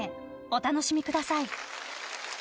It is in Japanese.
お楽しみください。